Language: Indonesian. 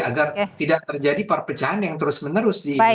agar tidak terjadi perpecahan yang terus menerus di